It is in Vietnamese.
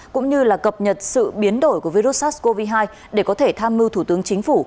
cũng như là cập nhật sự biến đổi của virus sars cov hai để có thể tham mưu thủ tướng chính phủ